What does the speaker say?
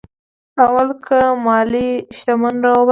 اول کې مالي شتمن واوسي.